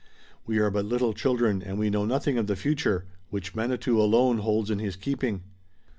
We are but little children and we know nothing of the future, which Manitou alone holds in his keeping."